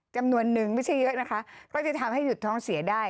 จำนวนนึงไม่ใช่เยอะนะคะก็จะทำให้หยุดท้องเสียได้